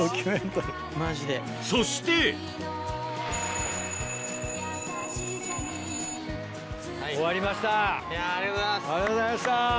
そしていやありがとうございます。